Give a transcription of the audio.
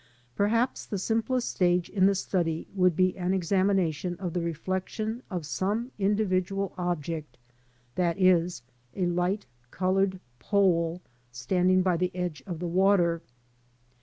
Perhaps the simplest stage in the study would be an examination of the reflection of some individual object, e.g. a light coloured pole standing by the edge of the water.